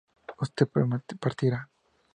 ¿usted partiera?